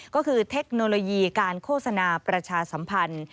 ก็คือเทคโนโลยีการโฆษณาประชาสัมพันธ์